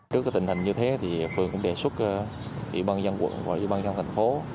trước tình hình như thế thì phường cũng đề xuất ủy ban dân quận và ủy ban dân thành phố